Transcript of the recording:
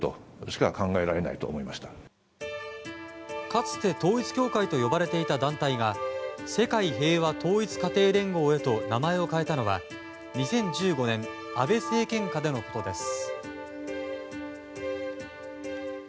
かつて、統一教会と呼ばれていた団体が世界平和統一家庭連合へと名前を変えたのは２０１５年安倍政権下でのことです。